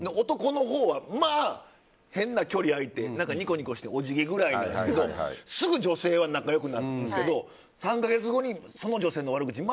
男のほうはまあ、変な距離があいてニコニコしてお辞儀ぐらいなんですけどすぐ女性は仲良くなるんですけど３か月後に、その女性の悪口